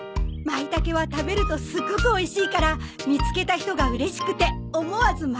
舞茸は食べるとすごくおいしいから見つけた人がうれしくて思わず舞い踊る。